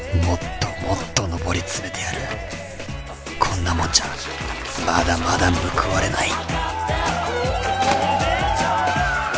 もっともっと上り詰めてやるこんなもんじゃまだまだ報われないフォー！